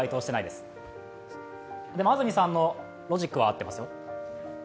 でも安住さんのロジックは合ってますよ。